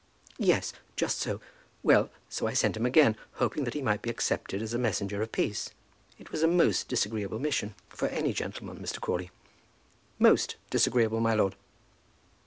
"Yes; just so. Well; so I sent him again, hoping that he might be accepted as a messenger of peace. It was a most disagreeable mission for any gentleman, Mr. Crawley." "Most disagreeable, my lord."